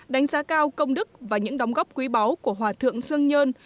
đánh giá cao công đức và những đóng góp quý báu của hòa thượng sương nhơn